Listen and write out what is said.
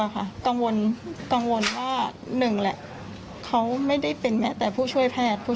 ผู้เสียหายวันนี้ที่คลินิกนั้นน่ะมีผู้เสียหายนะครับ